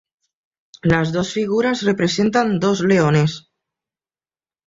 Las dos figuras representan dos leones.